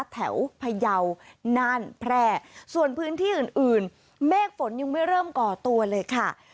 แถวพยาวน่านแพร่ส่วนพื้นที่อื่นอื่นเมฆฝนยังไม่เริ่มก่อตัวเลยค่ะ